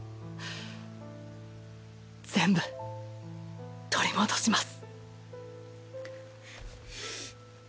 全部取り戻します。